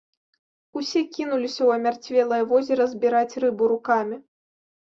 Усе кінуліся ў амярцвелае возера збіраць рыбу рукамі.